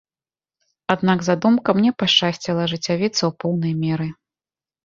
Аднак задумкам не пашчасціла ажыццявіцца ў поўнай меры.